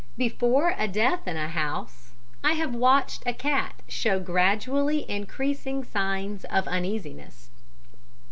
"Before a death in a house I have watched a cat show gradually increasing signs of uneasiness.